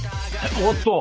おおっと！